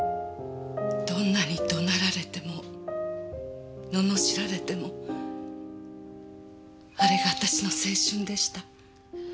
どんなに怒鳴られても罵られてもあれが私の青春でした。